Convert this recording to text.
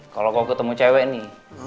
kalau mau ketemu cewek nih